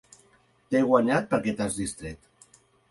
T'he guanyat perquè t'has distret.